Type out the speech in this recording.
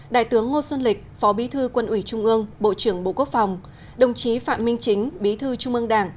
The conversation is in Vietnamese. đại tướng ngô xuân lịch phó bí thư quân ủy trung ương bộ trưởng bộ quốc phòng đồng chí phạm minh chính bí thư trung ương đảng